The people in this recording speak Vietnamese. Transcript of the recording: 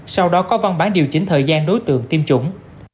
sau đó có văn bản điều chỉnh thời gian đối tượng tiêm chủng